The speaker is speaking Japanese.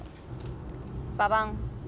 ババン！